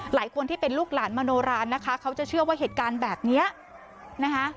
หลายคนที่เป็นลูกหลานมโนรานะคะเขาจะเชื่อว่าเหตุการณ์แบบนี้นะคะ